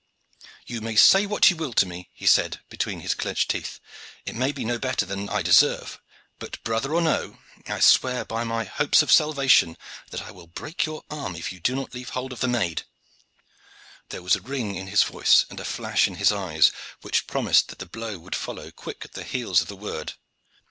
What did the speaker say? "You may say what you will to me," he said between his clenched teeth "it may be no better than I deserve; but, brother or no, I swear by my hopes of salvation that I will break your arm if you do not leave hold of the maid." There was a ring in his voice and a flash in his eyes which promised that the blow would follow quick at the heels of the word.